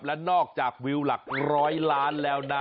และนอกจากวิวหลักร้อยล้านแล้วนะ